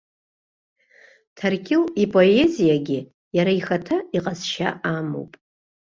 Ҭаркьыл ипоезиагьы иара ихаҭа иҟазшьа амоуп.